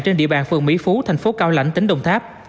trên địa bàn phường mỹ phú thành phố cao lãnh tỉnh đồng tháp